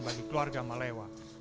bagi keluarga malewa